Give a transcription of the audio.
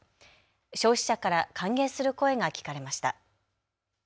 消費者から歓迎する声が聞かれました。